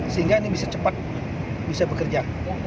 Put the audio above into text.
sehingga ini bisa cepat bisa bekerja